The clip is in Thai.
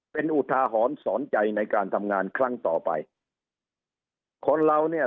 เป็นอุทาหรณ์สอนใจในการทำงานครั้งต่อไปคนเราเนี่ย